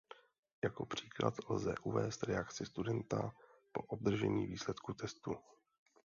Jako příklad lze uvést reakci studenta po obdržení výsledku testu.